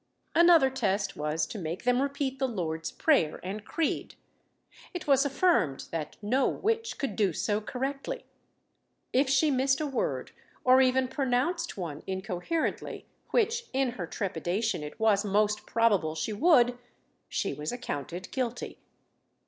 Another test was to make them repeat the Lord's prayer and creed. It was affirmed that no witch could do so correctly. If she missed a word, or even pronounced one incoherently, which in her trepidation it was most probable she would, she was accounted guilty.